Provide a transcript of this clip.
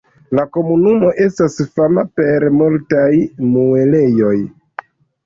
La komunumo estas fama per multaj muelejoj.